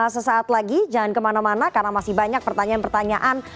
sesaat lagi jangan kemana mana karena masih banyak pertanyaan pertanyaan